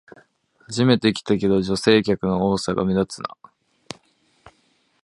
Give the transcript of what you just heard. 初めて来たけど、女性客の多さが目立つな